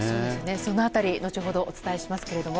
その辺り後ほどお伝えしますけれども。